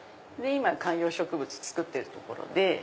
今観葉植物作ってるところで。